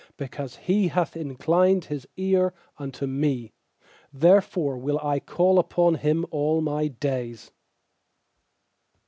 2Because He hath inclined His eai unto me, Therefore will I call upon Him all my days.